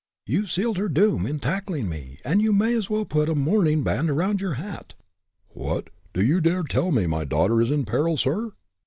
"You've sealed her doom, in tackling me, and you may as well put a mourning band around your hat." "What! do you dare to tell me my daughter is in peril, sir?"